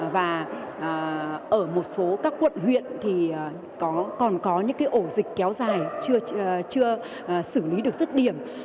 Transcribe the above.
và ở một số các quận huyện thì còn có những ổ dịch kéo dài chưa xử lý được dứt điểm